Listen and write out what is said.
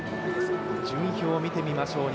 順位表を見てみましょう。